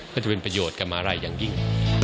ก็จะเป็นประโยชน์กับมาลัยอย่างยิ่ง